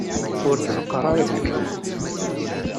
Ur d-neqqar ara d lekdeb.